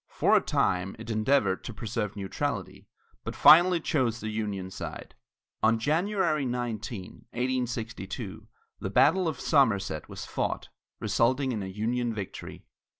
For a time, it endeavored to preserve neutrality, but finally chose the Union side. On January 19, 1862, the battle of Somerset was fought, resulting in a Union victory.